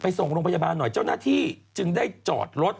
ส่งโรงพยาบาลหน่อยเจ้าหน้าที่จึงได้จอดรถ